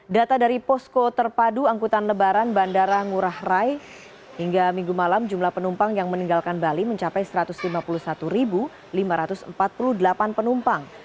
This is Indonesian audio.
data dari posko terpadu angkutan lebaran bandara ngurah rai hingga minggu malam jumlah penumpang yang meninggalkan bali mencapai satu ratus lima puluh satu lima ratus empat puluh delapan penumpang